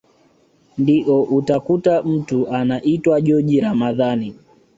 Ndio utakuta mtu anaitwa joji Ramadhani